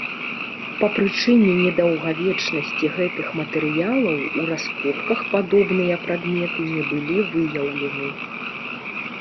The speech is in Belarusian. Па прычыне недаўгавечнасці гэтых матэрыялаў у раскопках падобныя прадметы не былі выяўлены.